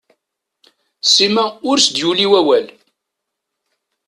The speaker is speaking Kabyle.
Sima ur as-d-yuli awawl.